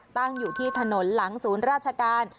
ตั้งอยู่ที่ถนนหลังศูนย์ราชการ